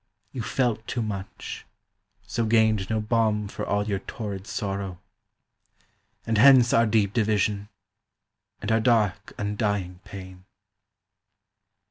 You felt too much, so gained no balm for all your torrid sorrow, And hence our deep division, and our dark undying pain.